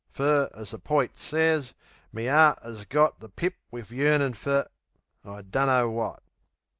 Fer, as the poit sez, me 'eart 'as got The pip wiv yearnin' fer I dunno wot.